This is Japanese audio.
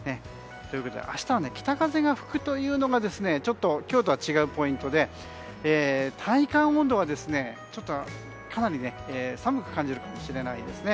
明日は北風が吹くというのが今日とは違うポイントで体感温度はかなり寒く感じるかもしれないですね。